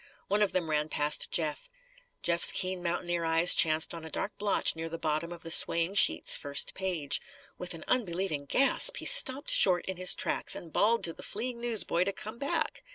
One of them ran past Jeff. Jeff's keen mountaineer eyes chanced on a dark blotch near the bottom of the swaying sheet's first page. With an unbelieving gasp, he stopped short in his tracks and bawled to the fleeing newsboy to come back.